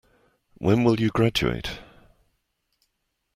When will you graduate?